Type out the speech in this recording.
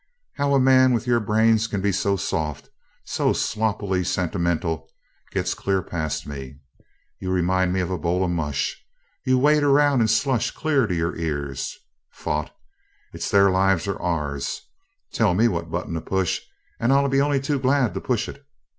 "How a man with your brains can be so soft so sloppily sentimental, gets clear past me. You remind me of a bowl of mush you wade around in slush clear to your ears. Faugh! It's their lives or ours! Tell me what button to push and I'll be only too glad to push it.